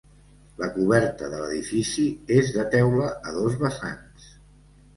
La coberta de l'edifici és de teula, a dos vessants.